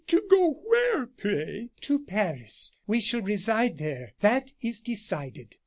"To go where, pray?" "To Paris. We shall reside there; that is decided.